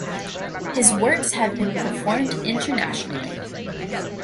His works have been performed internationally.